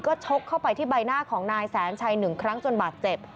ก็ชกเข้าไปที่ใบหน้าของนายแสนชัยหนึ่งครั้งจนบาดเจ็บ